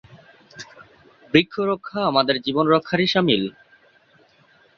বৃক্ষ রক্ষা আমাদের জীবন রক্ষারই সামিল।